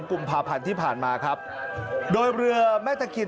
กุมภาพันธ์ที่ผ่านมาครับโดยเรือแม่ตะเคียน